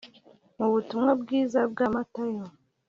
mu butumwa bwiza bwa matayo